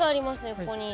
ここに。